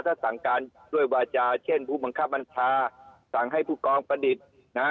ถ้าสั่งการด้วยวาจาเช่นผู้บังคับบัญชาสั่งให้ผู้กองประดิษฐ์นะฮะ